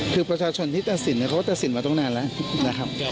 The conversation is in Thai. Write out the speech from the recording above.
คือประชาชนที่ตัดสินเขาก็ตัดสินมาตั้งนานแล้วนะครับ